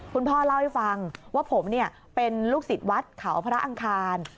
คุณพ่อเล่าให้ฟังว่าผมเป็นลูกศิษย์วัดเขาพระอังคาร